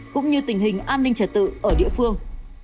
cũng như tình hình an ninh trật tự ở địa phương